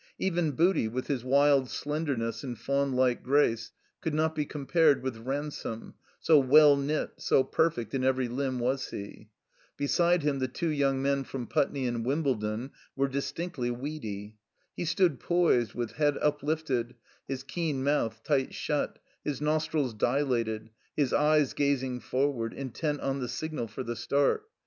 Even Booty, with his wild slendemess and faunlike grace, could not be compared with Ransome, so well knit, so perfect in every limb was he. Beside him the two yotmg men from Putney and Wimbledon were distinctly weedy. He stood poised, with head uplifted, his keen mouth tight shut, his nostrils dilated, his eyes gazing forward, intent on the signal for the start.